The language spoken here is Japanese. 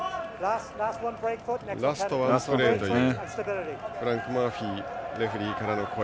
ラストワンプレーというフランク・マーフィーレフリーからの声。